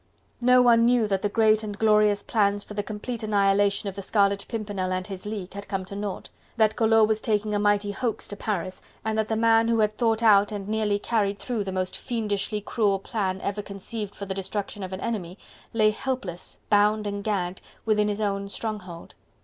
No one knew that the great and glorious plans for the complete annihilation of the Scarlet Pimpernel and his League had come to naught, that Collot was taking a mighty hoax to Paris, and that the man who had thought out and nearly carried through the most fiendishly cruel plan ever conceived for the destruction of an enemy, lay helpless, bound and gagged, within his own stronghold.